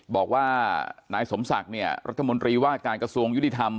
บอกว่านายสมศักดิ์เนี่ยรัฐมนตรีว่าการกระทรวงยุติธรรม